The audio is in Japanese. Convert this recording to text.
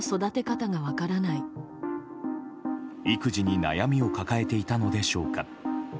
育児に悩みを抱えていたのでしょうか。